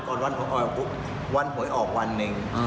ก่อนวันท๋วยออกวันหนึ่ง